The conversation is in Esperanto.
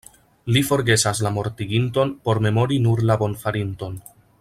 Li forgesas la mortiginton por memori nur la bonfarinton.